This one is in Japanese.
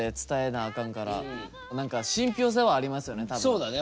そうだね。